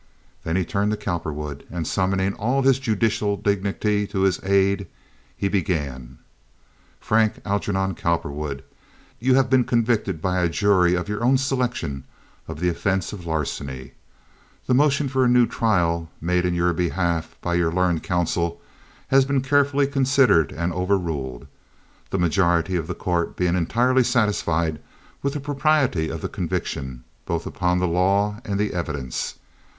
Then he turned to Cowperwood, and, summoning all his judicial dignity to his aid, he began: "Frank Algernon Cowperwood, you have been convicted by a jury of your own selection of the offense of larceny. The motion for a new trial, made in your behalf by your learned counsel, has been carefully considered and overruled, the majority of the court being entirely satisfied with the propriety of the conviction, both upon the law and the evidence.